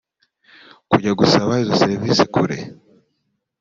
Kujya gusaba izo service kure